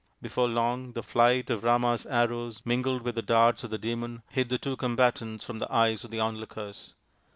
Before long the flight of Rama's arrows mingled with the darts of the Demon hid the two combatants from the eyes of the onlookers.